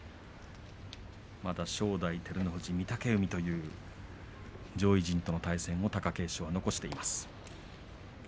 まだ正代、照ノ富士御嶽海という上位陣との対戦も貴景勝は残しています。